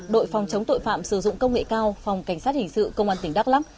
đội phòng chống tội phạm sử dụng công nghệ cao phòng cảnh sát hình sự công an tỉnh đắk lắc